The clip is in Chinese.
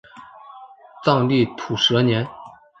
藏历土蛇年。